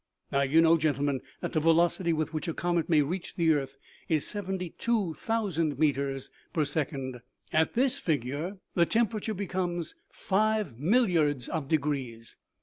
" Now, you know, gentlemen, that the velocity with which a comet may reach the earth is 72,000 meters per second. At this figure the temperature becomes five milliards of degrees.